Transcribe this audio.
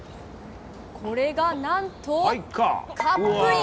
これが何とカップイン。